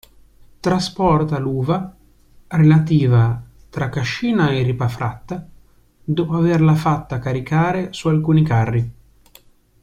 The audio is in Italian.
Trasporta l’uva relativa tra Cascina e Ripafratta dopo averla fatta caricare su alcuni carri.